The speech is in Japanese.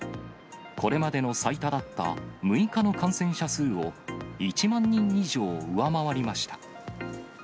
これまでの最多だった６日の感染者数を１万人以上上回りました。